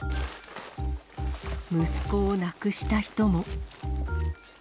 息子を亡くした人も。